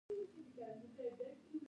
• مینه د ژوند ښکلی راز دی.